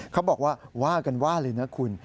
เขาบอกว่าว่ากันว่าเลยนะคุณ